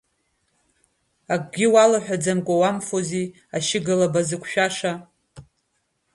Акгьы уалаҳәаӡамкәа уамфози, ашьыга лаба зықәшәаша.